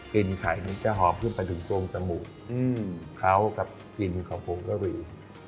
กลิ่นไข่มันจะหอบขึ้นไปถึงโรงจมูกเข้ากับกลิ่นของผงกะหรี่